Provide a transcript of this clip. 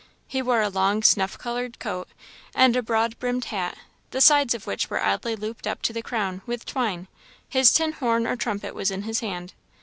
He wore a long snuff coloured coat and a broad brimmed hat, the sides of which were oddly looped up to the crown, with twine; his tin horn or trumpet was in his hand.